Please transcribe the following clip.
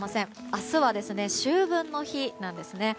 明日は秋分の日なんですね。